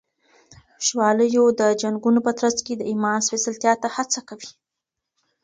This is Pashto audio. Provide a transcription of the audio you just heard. شوالیو د جنگونو په ترڅ کي د ایمان سپېڅلتیا ته هڅه کوي.